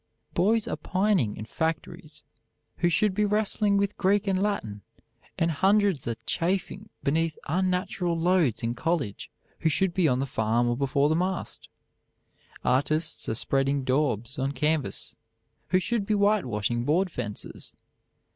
Boys are pining in factories who should be wrestling with Greek and Latin, and hundreds are chafing beneath unnatural loads in college who should be on the farm or before the mast. Artists are spreading "daubs" on canvas who should be whitewashing board fences.